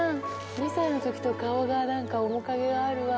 ２歳のときと顔がなんか面影があるわ。